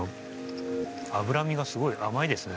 脂身がすごい甘いですね。